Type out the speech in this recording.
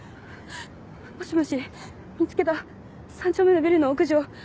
もしもし見つけた３丁目のビルの屋上。